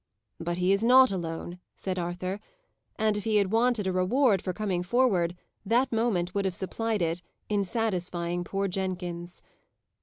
"But he is not alone," said Arthur; and, if he had wanted a reward for coming forward, that moment would have supplied it, in satisfying poor Jenkins.